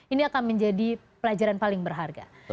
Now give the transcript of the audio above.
ini akan menjadi pelajaran paling berharga